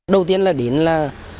đầu tiên là đến là